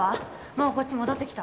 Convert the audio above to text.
もうこっち戻ってきた？